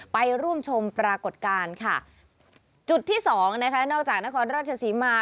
ไปร่วมชมปรากฏการณ์จุดที่๒นอกจากนครราชสีมา